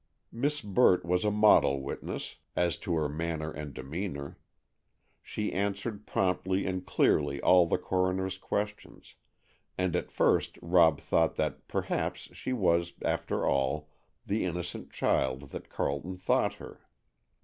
Miss Burt was a model witness, as to her manner and demeanor. She answered promptly and clearly all the coroner's questions, and at first Rob thought that perhaps she was, after all, the innocent child that Carleton thought her.